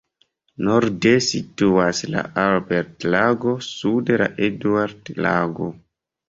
Norde situas la Albert-Lago, sude la Eduard-Lago.